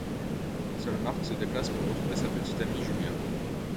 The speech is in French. Seul Marc se déplace pour retrouver sa petite-amie Julia.